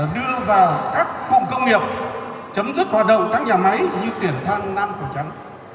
đưa vào các cung công nghiệp chấm dứt hoạt động các nhà máy như tuyển thang nan cửa chắn